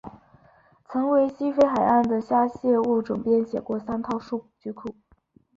曾为西非海岸的虾蟹物种编写过三套数据库。